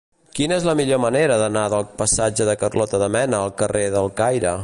Quina és la millor manera d'anar del passatge de Carlota de Mena al carrer del Caire?